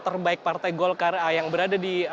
terbaik partai golkar yang berada di